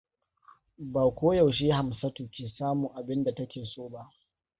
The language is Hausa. Ba ko yaushe Hamsatu ke samun abin da take so ba.